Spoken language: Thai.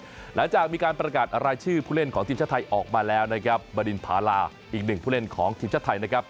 หลังจากมีการประกาศรายชื่อผู้เล่นของทีมชาติไทยออกมาแล้วนะครับบรินพาราอีกหนึ่งผู้เล่นของทีมชาติไทยนะครับ